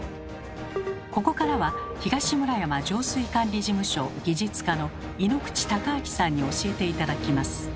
ここからは東村山浄水管理事務所技術課の井ノ口孝昭さんに教えて頂きます。